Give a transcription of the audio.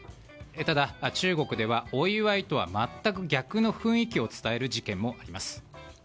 ただ、中国ではお祝いとは全く逆の雰囲気を伝える事件もあります。